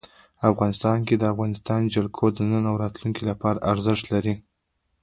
افغانستان کې د افغانستان جلکو د نن او راتلونکي لپاره ارزښت لري.